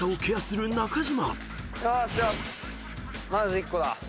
まず１個だ。